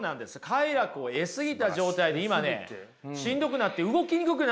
快楽を得過ぎた状態で今ねしんどくなって動きにくくなってるわけですよ。